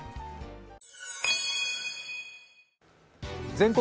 「全国！